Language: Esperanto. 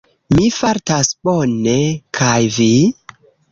Mi fartas bone, kaj vi?